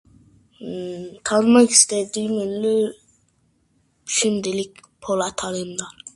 Tanımak istediğim ünlü şimdilik Polat Alemdar.